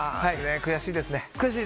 悔しいですね。